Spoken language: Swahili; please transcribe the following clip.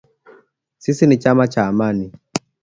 Sisi ni chama cha Amani